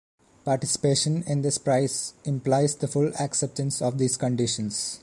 Participation in this prize implies the full acceptance of these conditions.